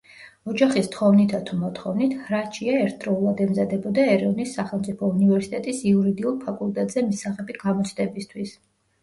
ოჯახის თხოვნითა თუ მოთხოვნით, ჰრაჩია ერთდროულად ემზადებოდა ერევნის სახელმწიფო უნივერსიტეტის იურიდიულ ფაკულტეტზე მისაღები გამოცდებისთვის.